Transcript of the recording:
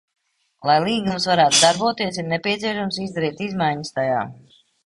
Lai līgums varētu darboties, ir nepieciešams izdarīt izmaiņas tajā.